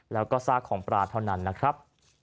แล้วก็ซากของปลาเท่านั้นนะครับ